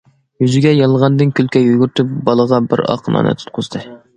يۈزىگە يالغاندىن كۈلكە يۈگۈرتۈپ، بالىغا بىر ئاق ناننى تۇتقۇزدى.